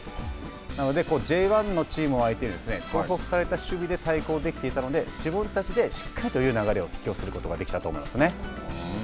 なのでＪ１のチームを相手に統率された守備で対抗できていたので自分たちでしっかりと流れを引き寄せることができたとと思いますね。